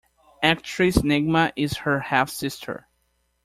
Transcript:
Actress Nagma is her half-sister.